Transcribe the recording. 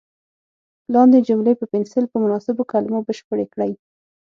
لاندې جملې په پنسل په مناسبو کلمو بشپړې کړئ.